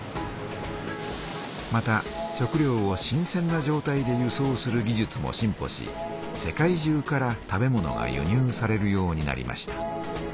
また食料を新せんなじょうたいで輸送するぎじゅつも進歩し世界中から食べ物が輸入されるようになりました。